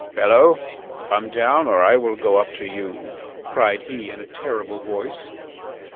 "Fellow, come down or I will go up to you," cried he, in a terrible voice.